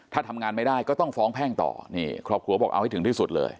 ถ้าทำงานไม่ได้ก็ต้องฟ้องแพ่งต่อนี่ครอบครัวบอกเอาให้ถึงที่สุดเลย